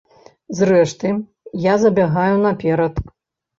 Зрэшты, я забягаю наперад.